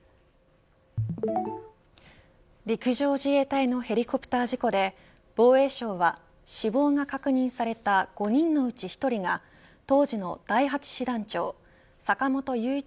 陸上自衛隊のヘリコプター事故で防衛省は死亡が確認された５人のうち１人が当時の第８師団長坂本雄一